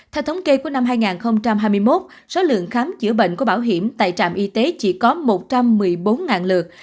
theo thống kê của năm hai nghìn hai mươi một số lượng khám chữa bệnh của bảo hiểm tại trạm y tế chỉ có một trăm một mươi bốn lượt